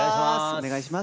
お願いします。